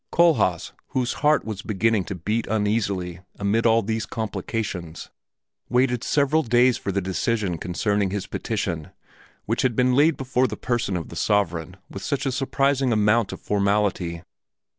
Kohlhaas, whose heart was beginning to beat uneasily amid all these complications, waited several days for the decision concerning his petition which had been laid before the person of the sovereign with such a surprising amount of formality.